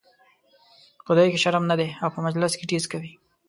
په دوی کې شرم نه دی او په مجلس کې ټیز کوي.